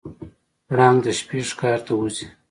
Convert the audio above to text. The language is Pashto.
پړانګ د شپې ښکار ته وځي.